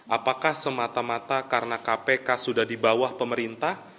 apakah semata mata karena kpk sudah di bawah pemerintah